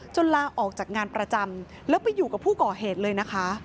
ลาออกจากงานประจำแล้วไปอยู่กับผู้ก่อเหตุเลยนะคะ